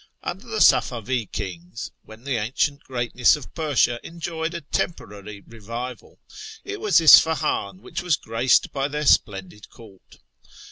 Under the Safavi kings, when the ancient greatness of Persia enjoyed a temporary revival, it was Isfahan which was graced by their splendid court.